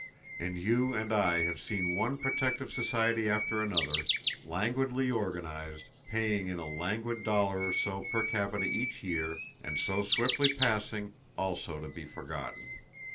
And you and I have seen one protective society after another, languidly organized, paying in a languid dollar or so per capita each year, and so swiftly passing, also to be forgotten.